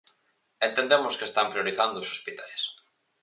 Entendemos que están priorizando os hospitais.